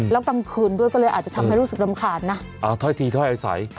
แล้วกลางคืนด้วยก็เลยอาจจะทำให้รู้สึกรำคาญนะถ้อยทีถ้อยอาศัย